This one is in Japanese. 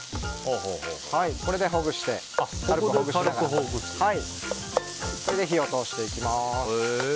これで軽くほぐしながらこれで火を通していきます。